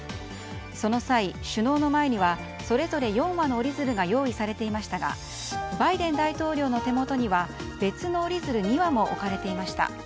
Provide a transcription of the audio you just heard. その際、首脳の前にはそれぞれ４羽の折り鶴が用意されていましたがバイデン大統領の手元には別の折り鶴２羽も置かれていました。